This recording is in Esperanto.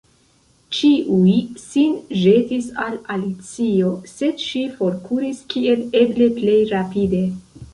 Ĉiuj sin ĵetis al Alicio, sed ŝi forkuris kiel eble plej rapide.